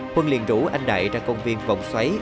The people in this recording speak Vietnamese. quân liền rủ anh đại ra công viên vòng xoáy